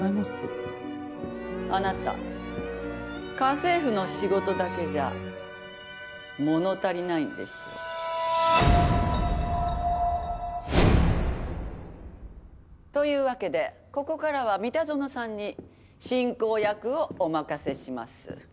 あなた家政婦の仕事だけじゃ物足りないんでしょ？というわけでここからは三田園さんに進行役をお任せします。